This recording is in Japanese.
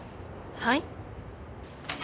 はい？